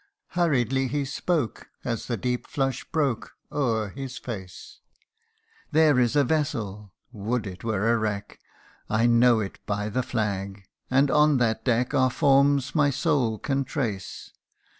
Hurriedly he spoke, As the deep flush broke O'er his face :" There is a vessel would it were a wreck ! I know it by the flag ; and on thjat deck Are forms my soul can trace.